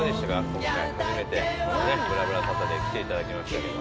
今回初めて『ぶらぶらサタデー』来ていただきましたけど。